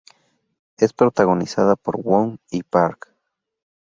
Es protagonizada por Wong y Park.